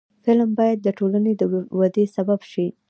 فلم باید د ټولنې د ودې سبب شي